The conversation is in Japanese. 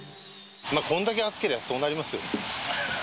こんだけ暑ければ、そうなりますよ。